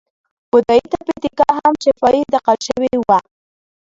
بودایي تیپي تیکا هم شفاهي انتقال شوې وه.